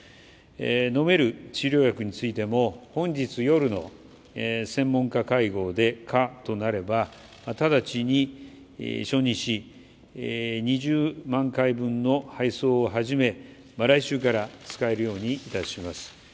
飲める治療薬についても本日夜の専門家会合で可となれば直ちに承認し、２０万回分の配送を始め、来週から使えるようにいたします。